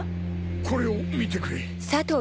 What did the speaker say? これを見てくれ。